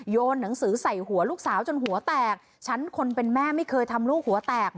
หนังสือใส่หัวลูกสาวจนหัวแตกฉันคนเป็นแม่ไม่เคยทำลูกหัวแตก